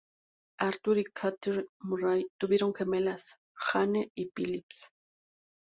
Arthur y Kathryn Murray tuvieron gemelas, Jane y Phyllis.